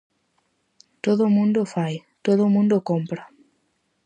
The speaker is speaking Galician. Todo o mundo o fai; todo o mundo o compra.